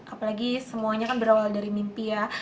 apalagi semuanya kan berawal dari mimpi ya